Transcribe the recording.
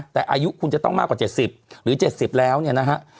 แต่อายุคุณจะต้องมากกว่า๗๐หรือ๗๐แล้วเนี่ยนะฮะ